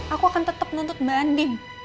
aku akan tetep nuntut mandim